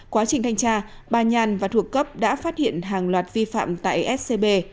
quá trình thanh tra bà nhàn và thuộc cấp đã phát hiện hàng loạt vi phạm tại scb